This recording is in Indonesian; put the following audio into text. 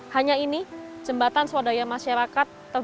hanya ini jembatan swadaya masyarakat terbangun dengan kekuatan umatnya